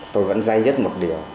tôi vẫn dây dứt một điều